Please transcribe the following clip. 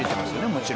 もちろん。